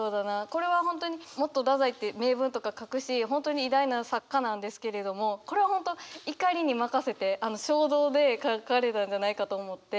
これは本当にもっと太宰って名文とか書くし本当に偉大な作家なんですけれどもこれは本当怒りに任せて衝動で書かれたんじゃないかと思って。